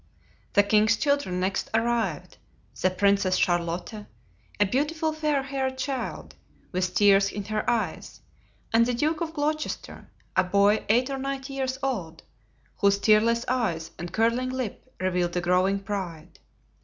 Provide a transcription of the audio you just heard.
The king's children next arrived—the Princess Charlotte, a beautiful, fair haired child, with tears in her eyes, and the Duke of Gloucester, a boy eight or nine years old, whose tearless eyes and curling lip revealed a growing pride.